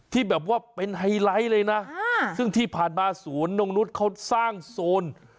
ที่แบบว่าเป็นไฮไลท์เลยนะซึ่งที่ผ่านมาสวนนกนุษย์เขาสร้างโซน